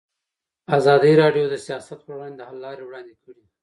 ازادي راډیو د سیاست پر وړاندې د حل لارې وړاندې کړي.